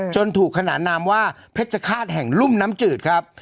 ถูกขนานนามว่าเพชรฆาตแห่งรุ่มน้ำจืดครับ